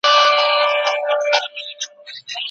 که څه هم هغه ته نه و معلوم.